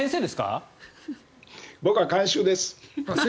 僕は監修です。